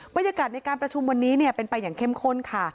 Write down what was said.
บรรยากาศในการประชุมวันนี้เป็นไปอย่างเข้มข้นค่ะ